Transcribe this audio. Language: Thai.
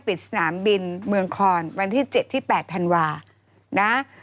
ปิดสนามบินเมืองครวันที่๗๘ธันวาธ์